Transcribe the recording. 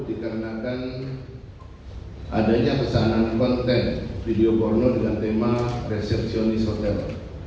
dikarenakan adanya pesanan konten video porno dengan tema resepsionis hotel